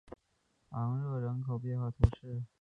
昂热人口变化图示